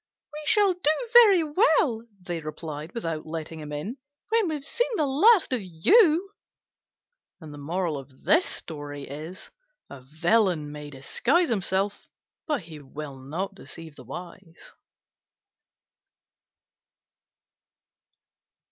"We shall do very well," they replied, without letting him in, "when we've seen the last of you." A villain may disguise himself, but he will not deceive the wise.